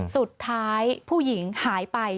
สุดท้ายผู้หญิงหายไป